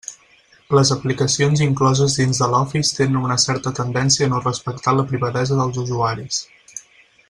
Les aplicacions incloses dins de l'Office tenen una certa tendència a no respectar la privadesa dels usuaris.